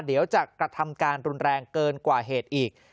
เดี๋ยวจะกระทำการรุนแรงเกินกว่าเหตุอีก